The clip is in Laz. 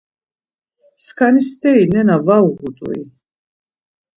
Skani steri nena var uğut̆ui?